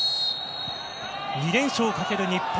２連勝をかける日本。